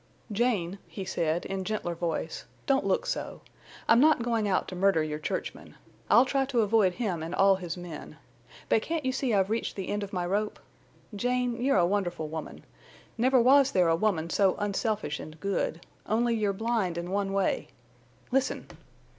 "Jane," he said, in gentler voice, "don't look so. I'm not going out to murder your churchman. I'll try to avoid him and all his men. But can't you see I've reached the end of my rope? Jane, you're a wonderful woman. Never was there a woman so unselfish and good. Only you're blind in one way.... Listen!"